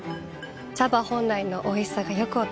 茶葉本来のおいしさがよく分かります。